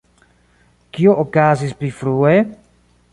Kio okazis pli frue?